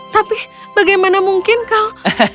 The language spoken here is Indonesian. tapi bagaimana mungkin kau